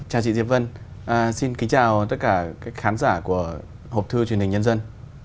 chào chị diệp vân xin kính chào tất cả khán giả của hộp thư truyền hình nhân dân